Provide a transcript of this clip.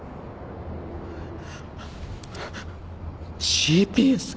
ＧＰＳ。